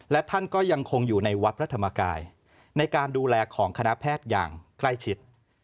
และท่านก็ยังคงอยู่ในวัดพระธรรมกายในการดูแลของคณะแพทย์อย่างใกล้ชิด